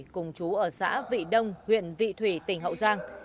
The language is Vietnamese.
cùng chú ở xã vị đông huyện vị thủy tỉnh hậu giang